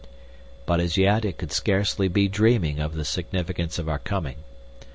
But as yet it could scarcely be dreaming of the significance of our coming.